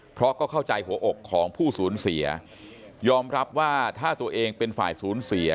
เพราะก็เข้าใจหัวอกของผู้สูญเสียยอมรับว่าถ้าตัวเองเป็นฝ่ายศูนย์เสีย